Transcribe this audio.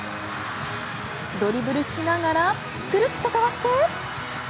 ドリブルしながらくるっとかわして。